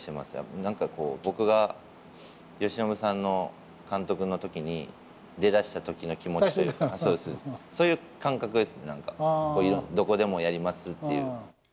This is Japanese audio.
なんかこう、僕が由伸さんの監督のときに、出だしたときの気持ちというか、そういう感覚ですね、どこでもやりますっていう。